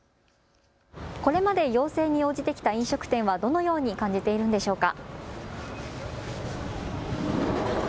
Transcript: これまで要請に応じてきた飲食店はどのように感じているんでしょうか。